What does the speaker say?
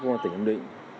công an tỉnh nam định